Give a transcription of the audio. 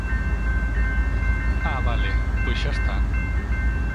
¡Ah!, vale, pois xa está.